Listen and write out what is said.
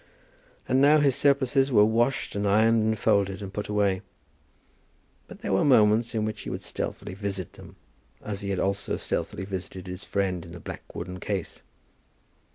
And now his surplices were washed and ironed and folded and put away; but there were moments in which he would stealthily visit them, as he also stealthily visited his friend in the black wooden case.